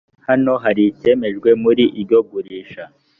hano hari icyemejwe muri iryo gurisha